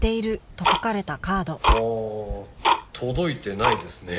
ああ届いてないですね。